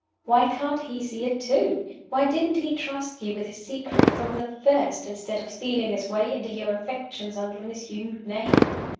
Why can't he see it too? Why didn't he trust you with his secret from the first, instead of stealing his way into your affections under an assumed name?